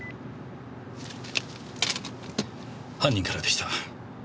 犯人からでした。